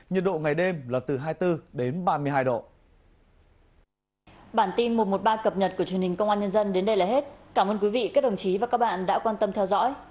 nhiệt độ ngày đêm là từ hai mươi bốn đến ba mươi hai độ